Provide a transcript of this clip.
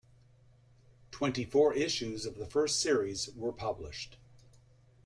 Twenty-four issues of the first series were published.